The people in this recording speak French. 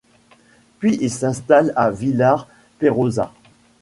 Puis il s'installe à Villar Perosa.